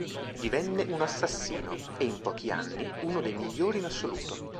Divenne un assassino, e in pochi anni uno dei migliori in assoluto.